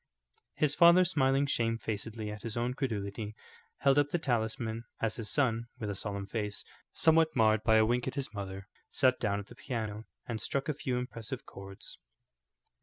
His father, smiling shamefacedly at his own credulity, held up the talisman, as his son, with a solemn face, somewhat marred by a wink at his mother, sat down at the piano and struck a few impressive chords.